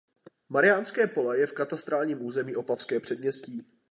Mariánské Pole je v katastrálním území Opavské Předměstí.